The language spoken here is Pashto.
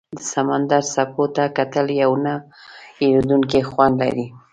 د سمندر څپو ته کتل یو نه هېریدونکی خوند لري.